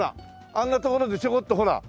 あんな所でちょこっとほら。